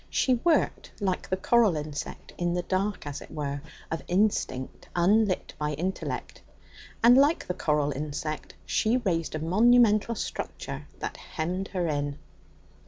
She worked like the coral insect, in the dark, as it were, of instinct unlit by intellect, and, like the coral insect, she raised a monumental structure that hemmed her in.